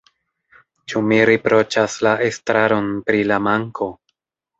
Ĉu mi riproĉas la estraron pri la manko?